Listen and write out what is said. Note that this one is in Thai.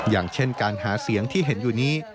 อย่างเช่นการหาเสียงที่เห็นอยู่นี้